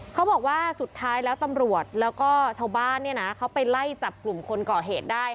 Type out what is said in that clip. เขาบอกว่าสุดท้ายแล้วตำรวจแล้วก็ชาวบ้านเนี่ยนะเขาไปไล่จับกลุ่มคนก่อเหตุได้